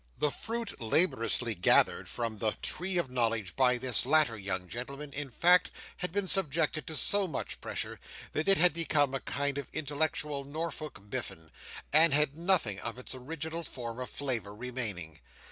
The fruit laboriously gathered from the tree of knowledge by this latter young gentleman, in fact, had been subjected to so much pressure, that it had become a kind of intellectual Norfolk Biffin, and had nothing of its original form or flavour remaining.